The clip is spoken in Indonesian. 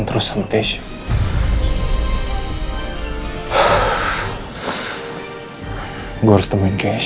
berapa sekian gak mungkin